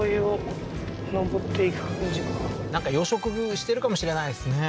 このなんか養殖してるかもしれないですね